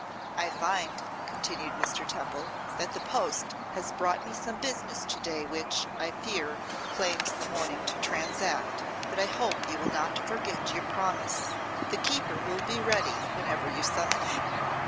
'I find,' continued Mr. Temple, 'that the post has brought me some business to day which, I fear, claims the morning to transact; but I hope you will not forget your promise. The keeper will be ready whenever you summon him.